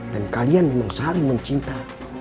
dan kalian memang saling mencinta